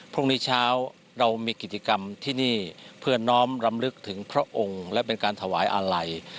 พรุ่งนี้เช้าเรามีกิจกรรมที่นี่เพื่อน้อมรำลึกถึงพระองค์และเป็นการถวายอาลัย